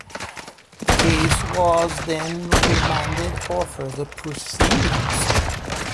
The case was then remanded for further proceedings.